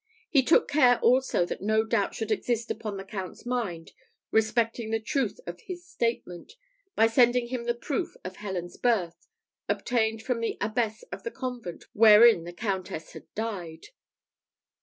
He took care also that no doubt should exist upon the Count's mind respecting the truth of his statement, by sending him the proof of Helen's birth, obtained from the abbess of the convent wherein the Countess had died.